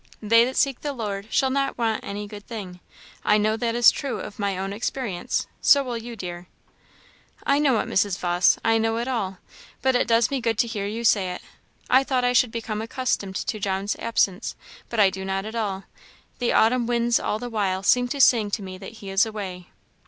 'They that seek the Lord, shall not want any good thing.' I know that is true, of my own experience; so will you, dear." "I know it, Mrs. Vawse I know it all; but it does me good to hear you say it. I thought I should become accustomed to John's absence, but I do not at all; the autumn winds all the while seem to sing to me that he is away."